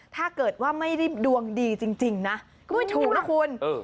ถ้าเกิดว่าไม่ได้ดวงดีจริงนะก็ไม่ถูกนะคุณ